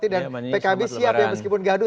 dan pkb siap ya meskipun gaduh